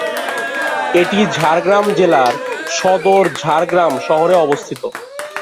এটি ঝাড়গ্রাম জেলার সদর ঝাড়গ্রাম শহরে অবস্থিত।